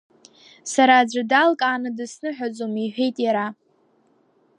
Сара аӡәы далкааны дысныҳәаӡом, – иҳәеит иара.